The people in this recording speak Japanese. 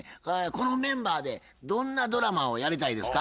このメンバーでどんなドラマをやりたいですか？